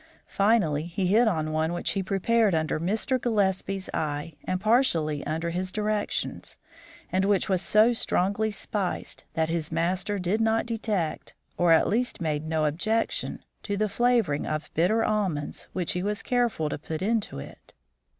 Finally he hit on one which he prepared under Mr. Gillespie's eye and partially under his directions, and which was so strongly spiced that his master did not detect, or at least made no objection, to the flavouring of bitter almonds which he was careful to put into it.